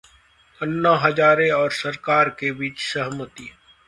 अन्ना हज़ारे और सरकार के बीच सहमति